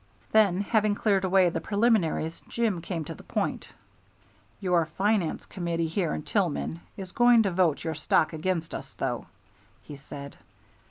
Then having cleared away the preliminaries Jim came to the point. "Your finance committee here in Tillman is going to vote your stock against us, though," he said.